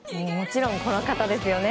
もちろん、この方。